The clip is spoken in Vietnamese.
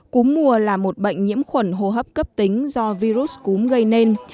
cúm mùa là một bệnh nhiễm khuẩn hô hấp cấp tính do virus cúm gây nên